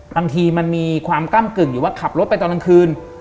บางทีมันมีความก้ำกึ่งอยู่ว่าขับรถไปตอนกลางคืน